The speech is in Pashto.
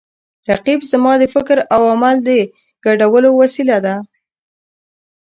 رقیب زما د فکر او عمل د ګډولو وسیله ده